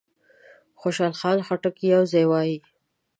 خوشحال خټک یو ځای وایي.